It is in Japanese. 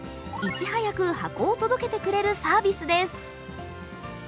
いち早く箱を届けてくれるサービスです。